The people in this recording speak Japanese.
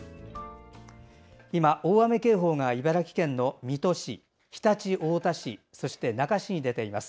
今、大雨警報が茨城県の水戸市、常陸太田市そして、那珂市に出ています。